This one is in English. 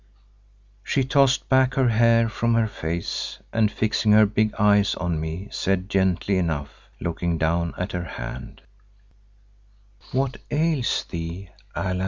She tossed back her hair from her face and fixing her big eyes on me, said gently enough, looking down at her hand, "What ails thee, Allan?"